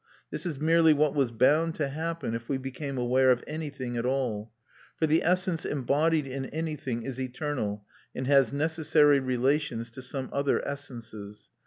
This is merely what was bound to happen, if we became aware of anything at all; for the essence embodied in anything is eternal and has necessary relations to some other essences.